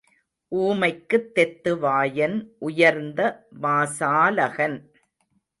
ஊமைக்குத் தெத்து வாயன் உயர்ந்த வாசாலகன்.